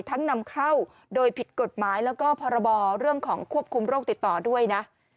นำเข้าโดยผิดกฎหมายแล้วก็พรบเรื่องของควบคุมโรคติดต่อด้วยนะ